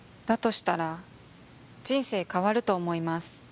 したら人生変わると思います